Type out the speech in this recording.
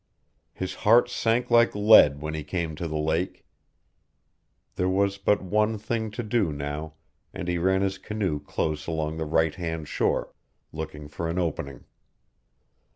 His heart sank like lead when he came to the lake. There was but one thing to do now, and he ran his canoe close along the right hand shore, looking for an opening.